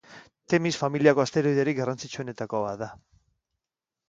Temis familiako asteroiderik garrantzitsuenetako bat da.